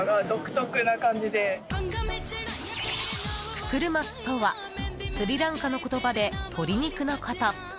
ククルマスとはスリランカの言葉で鶏肉のこと。